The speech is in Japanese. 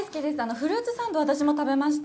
フルーツサンドは私も食べました。